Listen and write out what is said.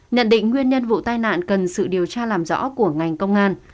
nhận định nguyên nhân vụ tai nạn cần sự điều tra làm rõ của ngành công an